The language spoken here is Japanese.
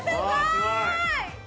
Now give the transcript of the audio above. すごい！